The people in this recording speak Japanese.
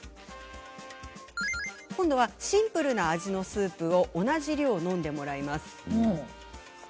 今度はシンプルな味のスープを同じ量飲んでもらいます。